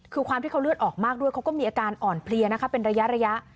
คือความที่เขาเลือดออกมากด้วยเขาก็มีอาการอ่อนเพลียนะคะเป็นระยะ